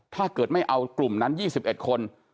ถ้าเกิดไม่เอากลุ่มนั้น๒๑คน